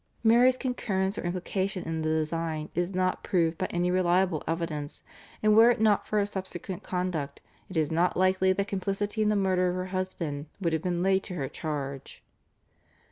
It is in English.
Mary's concurrence or implication in the design is not proved by any reliable evidence, and were it not for her subsequent conduct it is not likely that complicity in the murder of her husband would have been laid to her charge.